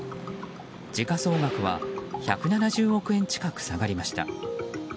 時価総額は１７０億円近く下がりました。